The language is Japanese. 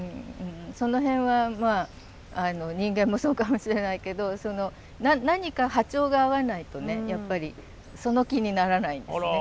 その辺は人間もそうかもしれないけど何か波長が合わないとねやっぱりその気にならないんですね。